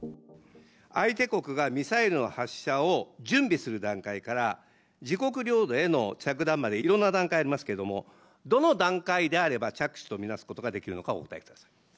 相手国がミサイルの発射を準備する段階から、自国領土への着弾まで、いろんな段階ありますけれども、どの段階であれば着手と見なすことができるのかお答えください。